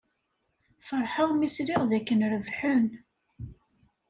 Feṛḥeɣ mi sliɣ dakken rebḥen.